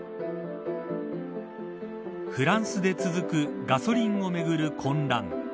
フランスで続くガソリンをめぐる混乱。